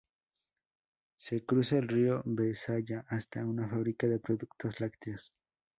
Se cruza el río Besaya hasta una fábrica de productos lácteos.